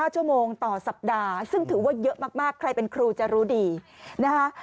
ชั่วโมงต่อสัปดาห์ซึ่งถือว่าเยอะมากใครเป็นครูจะรู้ดีนะคะ